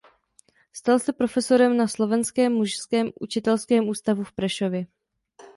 Stal se profesorem na "Slovenském mužském učitelském ústavu v Prešově".